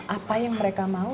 apa yang mereka mau